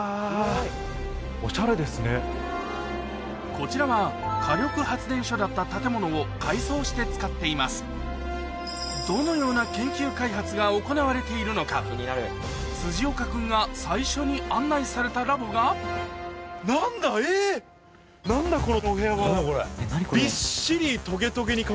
こちらは火力発電所だった建物を改装して使っていますが行われているのか岡君が最初に案内されたラボがびっしり。